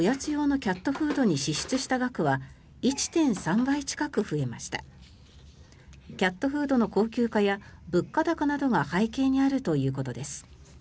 キャットフードの高級化や物価高などが背景にあるということです。